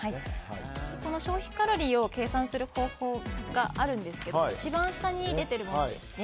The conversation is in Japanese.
この消費カロリーを計算する方法があるんですけれども一番下に出ているものですね。